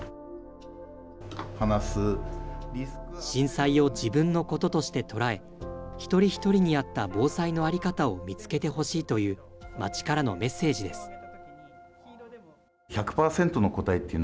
震災を自分のこととして捉え、一人一人に合った防災の在り方を見つけてほしいという、町からのメッセージです。